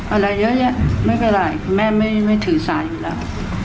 อะไรเยอะแยะไม่เป็นไรแม่ไม่ถือสายอยู่แล้ว